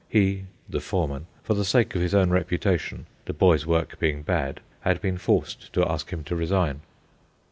He (the foreman), for the sake of his own reputation, the boy's work being bad, had been forced to ask him to resign.